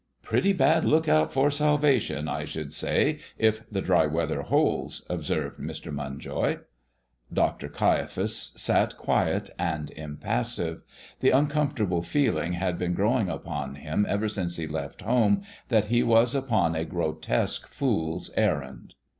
"Pretty bad look out for salvation, I should say, if the dry weather holds," observed Mr. Munjoy. Dr. Caiaphas sat quiet and impassive. The uncomfortable feeling had been growing upon him ever since he left home that he was upon a grotesque fool's errand.